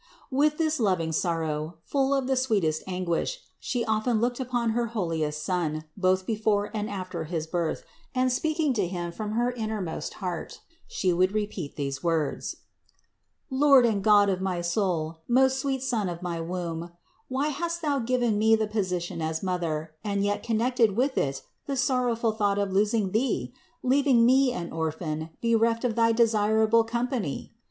154. With this loving sorrow, full of the sweetest an guish, She often looked upon her holiest Son both be fore and after his birth, and speaking to Him from her innermost heart, She would repeat these words: "Lord and God of my soul, most sweet Son of my womb, why hast Thou given me the position as Mother and yet connected with it the sorrowful thought of losing Thee, leaving me an orphan, bereft of thy desirable company?